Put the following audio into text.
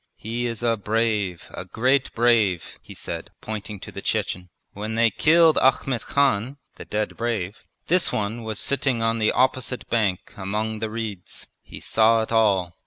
He is a brave, a great brave!' he said, pointing to the Chechen. 'When they killed Ahmet Khan (the dead brave) this one was sitting on the opposite bank among the reeds. He saw it all.